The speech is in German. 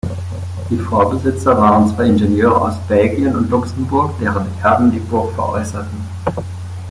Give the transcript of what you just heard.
Die Vorbesitzer waren zwei Ingenieure aus Belgien und Luxemburg, deren Erben die Burg veräußerten.